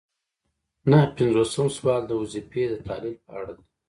نهه پنځوسم سوال د وظیفې د تحلیل په اړه دی.